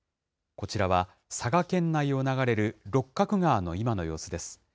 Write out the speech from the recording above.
こちらは、佐賀県内を流れる六角川の今の様子です。